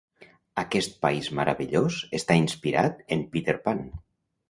Aquest país meravellós està inspirat en Peter Pan.